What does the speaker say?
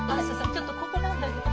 ちょっとここなんだけど。